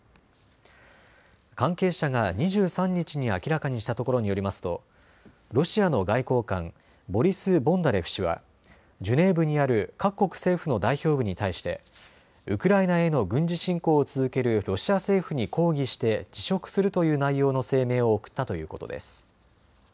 関係者が２３日に明らかにしたところによりますとロシアの外交官ボリス・ボンダレフ氏はジュネーブにある各国政府の代表部に対してウクライナへの軍事侵攻を続けるロシア政府に抗議して辞職するという内容の声明を送ったということです。